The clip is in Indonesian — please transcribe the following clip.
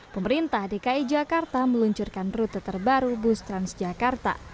pemerintah dki jakarta meluncurkan rute terbaru bus trans jakarta